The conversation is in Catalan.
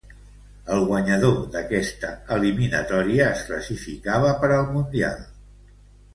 El guanyador d'aquesta eliminatòria es classificava per al Mundial.